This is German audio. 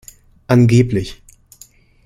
Angeblich!